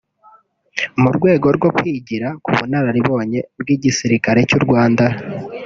mu rwego rwo kwigira ku bunararibonye bw’igisirikare cy’u Rwanda